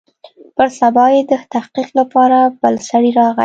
پر سبا يې د تحقيق لپاره بل سړى راغى.